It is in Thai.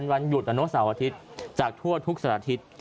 วันหยุดอันโน้ทเสาร์อาทิตย์จากทั่วทุกสันอาทิตย์